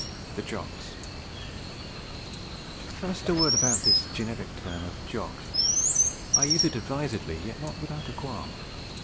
THE JOCKS First a word about this generic term of 'Jock.' I use it advisedly, yet not without a qualm.